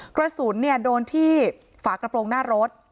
กระสุนโดนที่ฝากระโปรงหน้ารถ